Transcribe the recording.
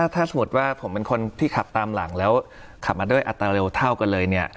ถ้าสมมติว่าผมเป็นคนที่ขับตามหลังแล้วขับมาด้วยอัตราเร็วเท่ากันเลยเนี่ย